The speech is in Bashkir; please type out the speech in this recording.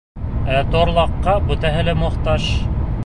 Ә торлаҡҡа бөтәһе лә мохтаж.